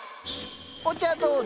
お茶どうぞ。